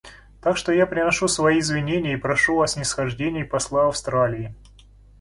Так что я приношу свои извинения и прошу о снисхождении посла Австралии.